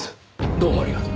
どうもありがとう。